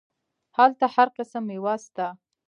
هلته هر قسم ميوه سته.